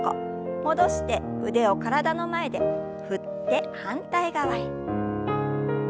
戻して腕を体の前で振って反対側へ。